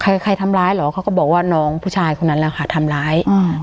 ใครใครทำร้ายเหรอเขาก็บอกว่าน้องผู้ชายคนนั้นแหละค่ะทำร้ายอ่า